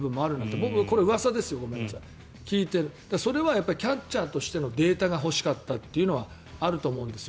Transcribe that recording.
僕はこれはうわさですけど聞いていてそれはキャッチャーとしてのデータが欲しかったというのはあったと思うんですよ。